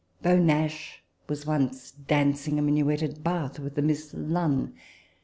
Beau Nash was once dancing a minuet at Bath with a Miss Lunn.